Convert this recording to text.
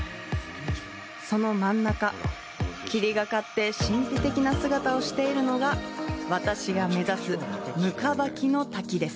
その真ん中、霧がかって神秘的な姿をしているのが、私が目指す行縢の滝です。